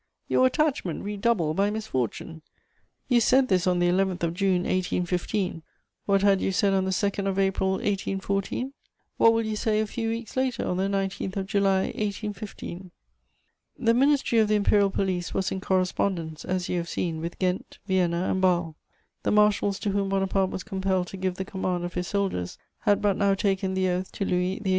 Your attachment redoubled by misfortune! You said this on the 11th of June 1815: what had you said on the 2nd of April 1814? What will you say a few weeks later, on the 19th of July 1815? The Ministry of the Imperial Police was in correspondence, as you have seen, with Ghent, Vienna and Bâle; the marshals to whom Bonaparte was compelled to give the command of his soldiers had but now taken the oath to Louis XVIII.